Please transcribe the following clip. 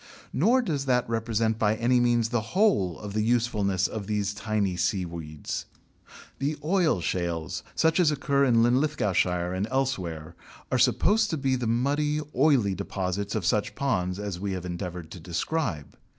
Nor does that represent by any means the whole of the usefulness of these tiny seaweeds. The oil shales, such as occur in Linlithgowshire and elsewhere, are supposed to be the muddy, oily deposits of such ponds as we have endeavoured to describe.